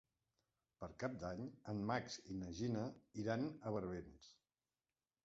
Per Cap d'Any en Max i na Gina iran a Barbens.